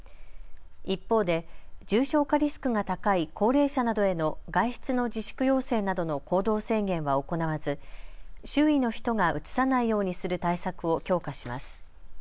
一方で重症化リスクが高い高齢者などへの外出の自粛要請などの行動制限は行わず周囲の人がうつさないようにする対策を強化します。